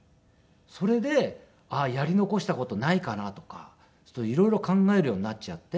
それであっやり残した事ないかなとかちょっと色々考えるようになっちゃって。